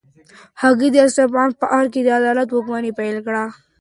هغه د اصفهان په ارګ کې د عدل واکمني پیل کړه.